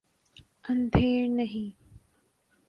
اندھیر نہیں۔